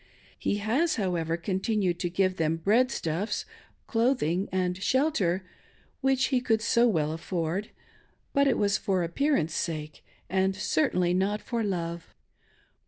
He has, however, continued to give them " breadstuff s," clothing and shelter, which he could so well afford ; but it was for appearance sake, and certainly not for love.